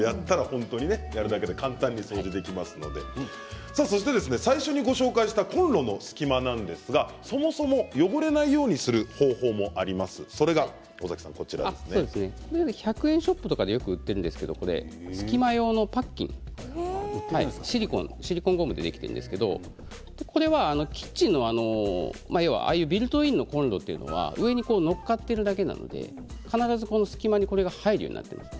やるだけで簡単に掃除できますので最初にご紹介したコンロの隙間ですがそもそも汚れないようにする方法も１００円ショップとかでよく売っているんですけれども隙間用のパッキンシリコンゴムでできているんですけれどこれはキッチンのビルトインのコンロというのは上に載っかっているだけなので必ず隙間にこれが入るようになっています。